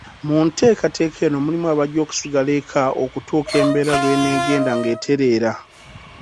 Mu nteekateka eno mulimu abajja okusigala eka okutuuka embeera lwe neegenda ng'etereera.